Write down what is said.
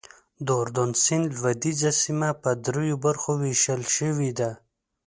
د اردن سیند لوېدیځه سیمه په دریو برخو ویشل شوې ده.